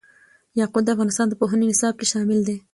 یاقوت د افغانستان د پوهنې نصاب کې شامل دي.